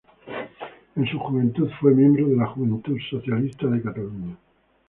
En su juventud fue miembro de la Juventud Socialista de Cataluña.